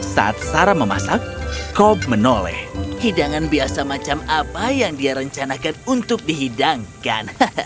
saat sarah memasak kop menoleh hidangan biasa macam apa yang dia rencanakan untuk dihidangkan